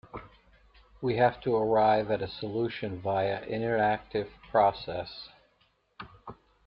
We have to arrive at a solution via an interactive process.